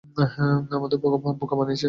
আমাদের বোকা বানিয়েছে!